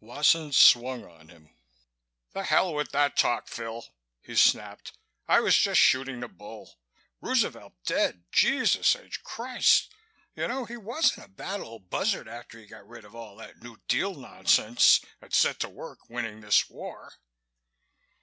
Wasson swung on him. "The hell with that talk, Phil," he snapped. "I was just shooting the bull. Roosevelt dead! Jesus H. Christ! You know, he wasn't a bad old buzzard after he got rid of all that New Deal nonsense and set to work winning this war."